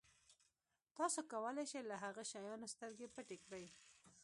تاسو کولای شئ له هغه شیانو سترګې پټې کړئ.